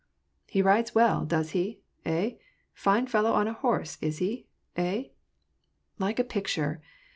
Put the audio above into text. " He rides well, does he ? Hey ? Fine fellow on a horse, is he? Hey?" " Like a picture